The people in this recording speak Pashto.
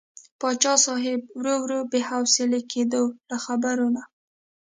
پاچا صاحب ورو ورو بې حوصلې کېده له خبرو نه.